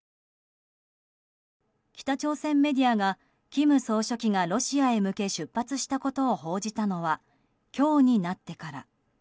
北朝鮮メディアが、金総書記がロシアへ向け出発したことを報じたのは、今日になってから。